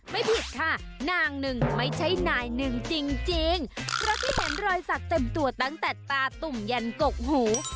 ไม่ผิดค่ะนางหนึ่งไม่ใช่นายหนึ่งจริงเพราะที่เห็นรอยสักเต็มตัวตั้งแต่ตาตุ่มยันกกหู